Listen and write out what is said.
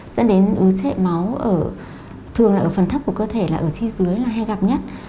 dẫn đến ưu trệ máu thường ở phần thấp của cơ thể là ở chi dưới hay gặp nhất